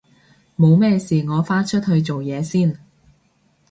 冇咩事我返出去做嘢先